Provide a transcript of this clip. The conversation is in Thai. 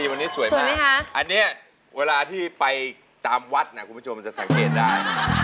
อันนี้เวลาที่ไปตามวัดเนี่ยคุณผู้ชมจะสังเกตได้